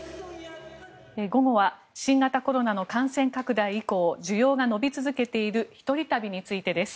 午後は新型コロナの感染拡大移行需要が伸び続けている一人旅についてです。